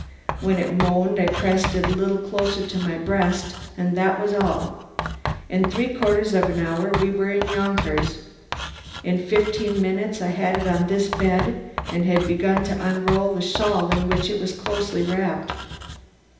When it moaned I pressed it a little closer to my breast and that was all. In three quarters of an hour we were in Yonkers. In fifteen minutes I had it on this bed, and had begun to unroll the shawl in which it was closely wrapped.